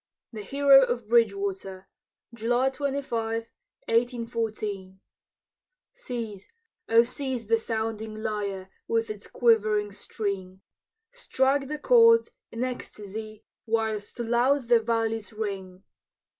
THE HERO OF BRIDGEWATER [July 25, 1814] Seize, O seize the sounding lyre, With its quivering string! Strike the chords, in ecstasy, Whilst loud the valleys ring!